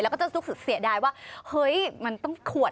แล้วก็จะซุกสุดเสียดายว่าเฮ้ยมันต้องขวด